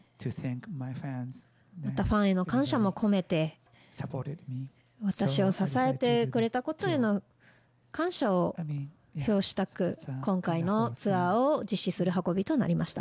またファンへの感謝も込めて、私を支えてくれたことへの感謝を表したく、今回のツアーを実施す